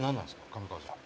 上川さん。